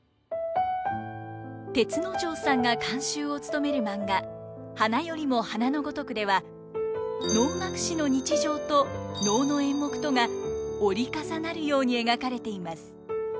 銕之丞さんが監修を務めるマンガ「花よりも花の如く」では能楽師の日常と能の演目とが折り重なるように描かれています。